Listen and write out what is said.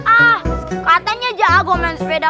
ah katanya jago main sepeda